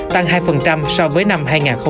tăng hai so với năm hai nghìn hai mươi